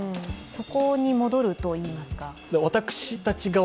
そこに戻るといいますか。